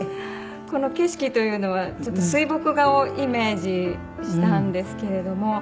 この景色というのはちょっと水墨画をイメージしたんですけれども。